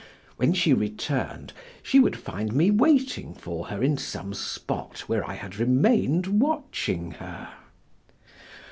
When she returned she would find me waiting for her in some spot where I had remained watching her.